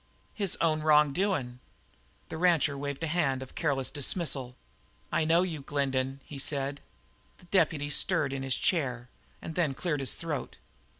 "His own wrong doin'." The rancher waved a hand of careless dismissal. "I know you, Glendin," he said. The deputy stirred in his chair, and then cleared his throat.